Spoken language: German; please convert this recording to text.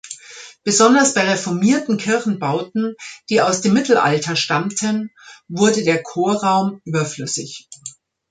Besonders bei reformierten Kirchenbauten, die aus dem Mittelalter stammten, wurde der Chorraum überflüssig.